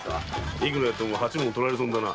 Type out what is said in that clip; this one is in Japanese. いくらやっても八文取られ損だな。